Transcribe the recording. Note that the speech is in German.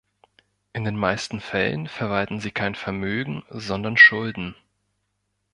In den meisten Fällen verwalten sie kein Vermögen, sondern Schulden.